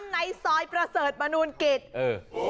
พี่พินโย